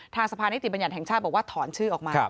ทางสภานิติบัญญัติแห่งชาติบอกว่าถอนชื่อออกมา